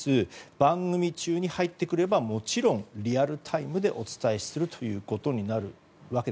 番組中に入ってくればもちろんリアルタイムでお伝えすることになります。